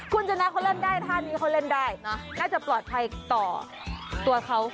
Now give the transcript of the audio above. คุณชนะเขาเล่นได้ท่านี้เขาเล่นได้น่าจะปลอดภัยต่อตัวเขา